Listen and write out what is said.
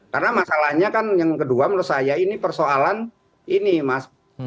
karena masalahnya kan yang kedua menurut saya ini persoalan ini mas